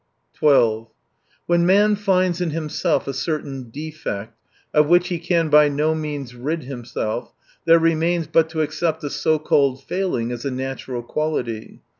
H 12 When man finds in himself a certain defect, of which he can by no means rid himsfelf, there remains but to accept the so called failing as a natural quality.